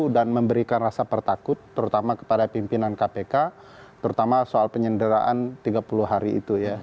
dan memberikan rasa pertakut terutama kepada pimpinan kpk terutama soal penyenderaan tiga puluh hari itu ya